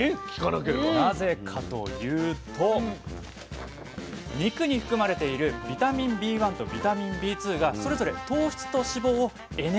なぜかというと肉に含まれているビタミンＢ１とビタミンＢ２がそれぞれ糖質と脂肪をエネルギーに変えてくれるんです。